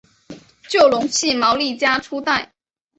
就隆系毛利家初代。